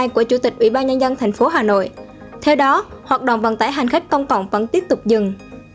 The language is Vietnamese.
của chủ tịch ubnd thành phố hà nội theo đó hoạt động vận tải hành khách công cộng vẫn tiếp tục dừng